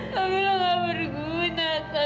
kamila nggak berguna kak